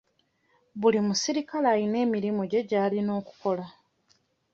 Buli muserikale alina emirimu gye gy'alina okukola.